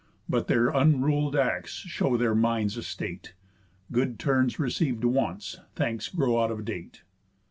But their unrul'd acts show their minds' estate. Good turns receiv'd once, thanks grow out of date."